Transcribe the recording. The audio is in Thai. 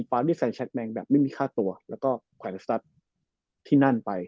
ตามที่แฟนแชคแมงแบบไม่มีค่าตัวแล้วก็ความรู้สักที่นั่นไป